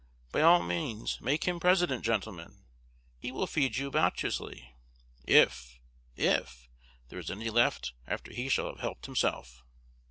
By all means make him President, gentlemen. He will feed you bounteously if if there is any left after he shall have helped himself.